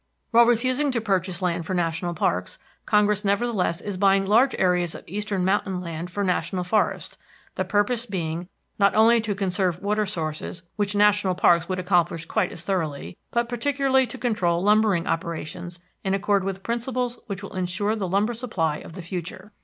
While refusing to purchase land for national parks, Congress nevertheless is buying large areas of eastern mountain land for national forest, the purpose being not only to conserve water sources, which national parks would accomplish quite as thoroughly, but particularly to control lumbering operations in accord with principles which will insure the lumber supply of the future.